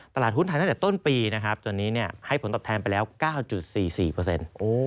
ตลาดหุ้นไทยตั้งแต่ต้นปีนะครับจนนี้เนี่ยให้ผลตอบแทนไปแล้ว๙๔๔เปอร์เซ็นต์